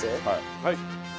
はい。